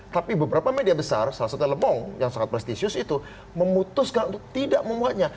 tapi beberapa media besar salah satunya lebong yang sangat prestisius itu memutuskan untuk tidak membuatnya